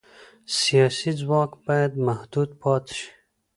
سیاسي ځواک باید محدود پاتې شي